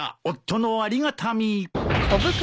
夫のありがたみ。